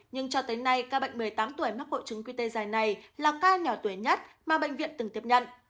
nhưng cho tới nay ca bệnh một mươi tám tuổi mắc hộ trứng quy tê dài này là ca nhỏ tuổi nhất mà bệnh viện từng tiếp nhận